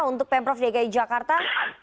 untuk pemprov dki jakarta